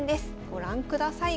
ご覧ください